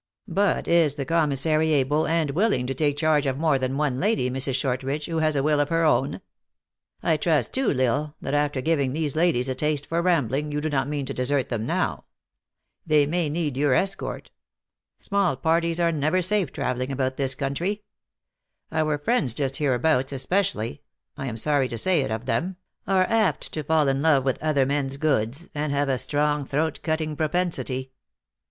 But is the commissary able and will ing to take charge of more than one lady, Mrs. Short ridge, who has a will of her own ? I trust, too, L Isle, that after giving these ladies a taste for rambling, you do not mean to desert them now. They may need THE ACTRESS IN HIGH LIFE. 115 your escort. Small parties are never safe traveling about this country. Our friends just hereabouts, es pecially, (I am sorry to say it of them), are apt to fall in love with other men s goods, and have a strong throat cutting propensity."